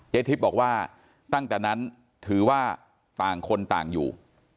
ทิพย์บอกว่าตั้งแต่นั้นถือว่าต่างคนต่างอยู่